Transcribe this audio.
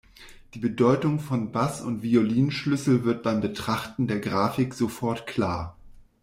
Die Bedeutung von Bass- und Violinschlüssel wird beim Betrachten der Grafik sofort klar.